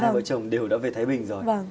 hai vợ chồng đều đã về thái bình rồi